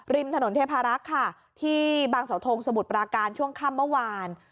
ริมถนนเทพารักษ์ค่ะที่บางสาวทงสมุทรปราการช่วงค่ำเมื่อวาน